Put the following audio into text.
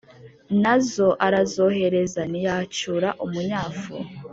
na zo arazohereza ntiyacyura umunyafu.